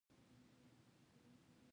د نیت پاکوالی د عمل بریا ده.